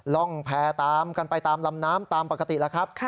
ร่องแพร่ตามกันไปตามลำน้ำตามปกติแล้วครับ